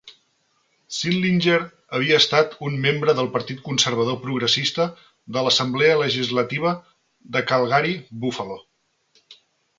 Sindlinger havia estat un membre del partit conservador progressista de l'assemblea legislativa de Calgary-Buffalo.